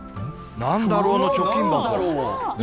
なんだろうの貯金箱。